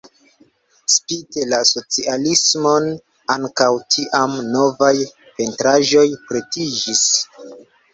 Spite la socialismon ankaŭ tiam novaj pentraĵoj pretiĝis.